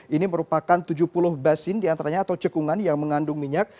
ini merupakan tujuh puluh basin diantaranya atau cekungan yang mengandung minyak